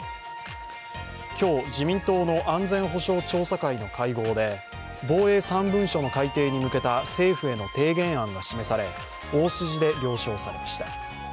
今日、自民党の安全保障調査会の会合で防衛３文書の改定に向けた政府への提言案が示され、大筋で了承されました。